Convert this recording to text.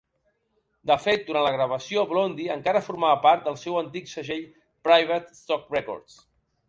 De fet, durant la gravació, Blondie encara formava part del seu antic segell, Private Stock Records,